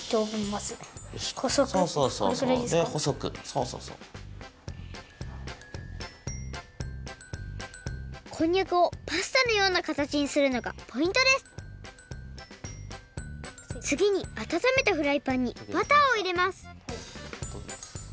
つぎにあたためたフライパンにバターをいれます